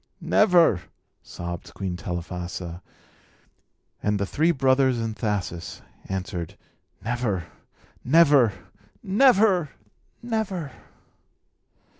"Never!" sobbed Queen Telephassa; and the three brothers and Thasus answered, "Never! Never! Never! Never!"